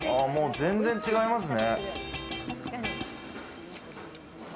全然違いますね。